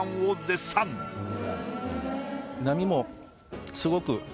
波もすごく。